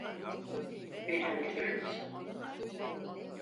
Beni öldürür müsün?